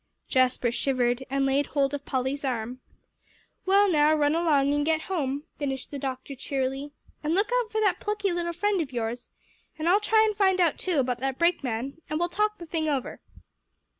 Jasper shivered, and laid hold of Polly's arm. "Well now, run along and get home," finished the doctor cheerily, "and look out for that plucky little friend of yours, and I'll try and find out, too, about that brakeman, and we'll talk the thing over."